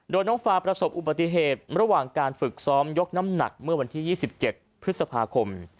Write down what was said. โดยน้องฟาประสบอุบัติเหตุระหว่างการฝึกซ้อมยกน้ำหนักเมื่อวันที่๒๗พฤษภาคม